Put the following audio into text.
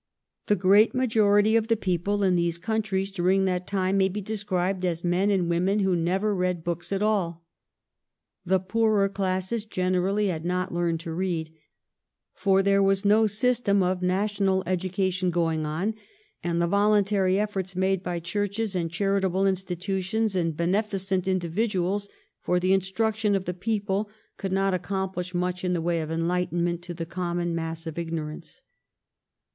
The great majority of the people in these countries during that time may be described as men and women who never read books at all. The poorer classes generally had not learned to read, for there was no system of national education going on, and the voluntary eSbrts made by churches and charitable institutions and beneficent individuals for the instruction of the people could not accomplish much in the way of enlightenment to the common mass of ignorance.